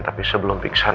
tapi sebelum pingsan